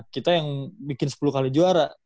kita yang bikin sepuluh kali juara